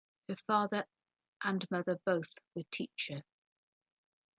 His father and mother both were teacher.